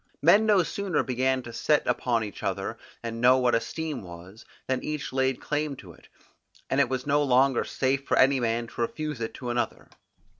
Men no sooner began to set a value upon each other, and know what esteem was, than each laid claim to it, and it was no longer safe for any man to refuse it to another.